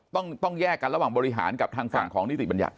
ต้องแยกกันระหว่างบริหารกับทางฝั่งของนิติบัญญัติ